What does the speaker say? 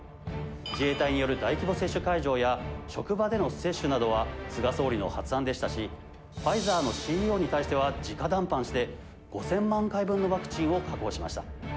自衛隊による大規模接種会場や職場での接種などは、菅総理の発案でしたし、ファイザーのＣＥＯに対しては直談判して、５０００万回分のワクチンを確保しました。